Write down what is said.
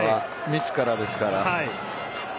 ミスからですから。